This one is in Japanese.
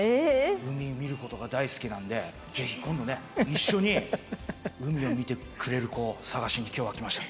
海を見る事が大好きなのでぜひ今度ね一緒に海を見てくれる子を探しに今日は来ました。